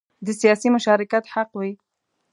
د سیاسي مشارکت حق وي.